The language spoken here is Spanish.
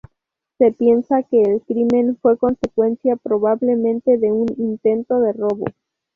Se piensa que el crimen fue consecuencia probablemente de un intento de robo.